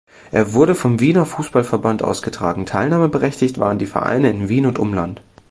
Er wurde vom Wiener Fußball-Verband ausgetragen, teilnahmeberechtigt waren die Vereine in Wien und Umland.